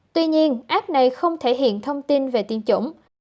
tuy nhiên app này không thể hiện thông tin về tiêm chủng